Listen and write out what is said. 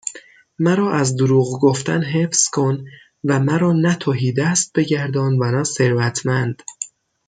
مرا از دروغ گفتن حفظ کن و مرا نه تهیدست بگردان و نه ثروتمند